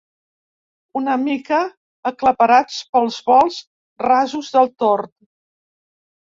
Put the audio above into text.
Una mica aclaparats pels volts rasos del tord.